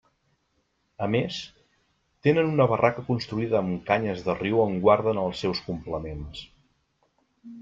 A més, tenen una barraca construïda amb canyes de riu on guarden els seus complements.